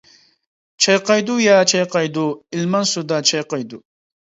چايقايدۇ يا، چايقايدۇ، ئىلمان سۇدا چايقايدۇ.